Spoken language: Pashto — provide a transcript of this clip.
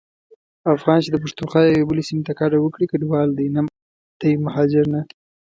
افغان چي د پښتونخوا یوې بلي سيمي ته کډه وکړي کډوال دی مهاجر نه.